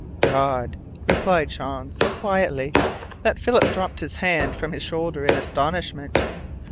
"God," replied Jean so quietly that Philip dropped his hand from his shoulder in astonishment.